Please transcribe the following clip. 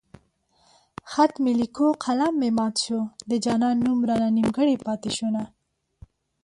خط مې ليکو قلم مې مات شو د جانان نوم رانه نيمګړی پاتې شونه